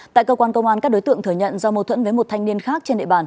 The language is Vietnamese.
tại cơ quan công an các đối tượng thừa nhận do mâu thuẫn với một thanh niên khác trên địa bàn